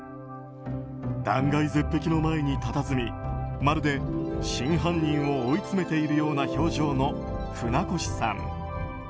断崖絶壁の前にたたずみまるで真犯人を追い詰めているような表情の船越さん。